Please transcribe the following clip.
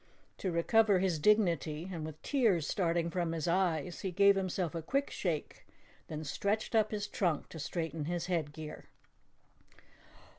To recover his dignity and with tears starting from his eyes, he gave himself a quick shake, then stretched up his trunk to straighten his headgear.